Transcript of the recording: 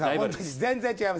全然違います。